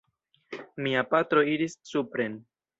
Mia patro iris supren.